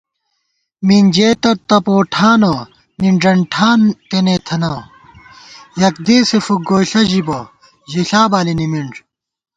مِنجېتہ تپوٹھانہ، مِنݮن ٹھان تېنےتھنہ * یک دېسے فُک گوئیݪہ ژِبہ، ژِݪا بالی نِمِنݮ